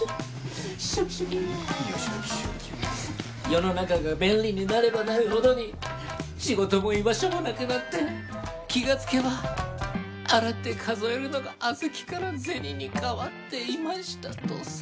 世の中が便利になればなるほどに仕事も居場所もなくなって気がつけば洗って数えるのが小豆から銭に変わっていましたとさ。